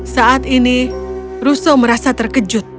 saat ini russo merasa terkejut